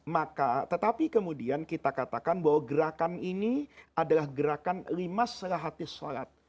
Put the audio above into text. maka tetapi kemudian kita katakan bahwa gerakan ini adalah gerakan limas selah hati sholat